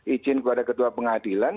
izin kepada ketua pengadilan